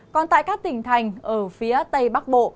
còn tại các tỉnh thành ở phía tây bắc bộ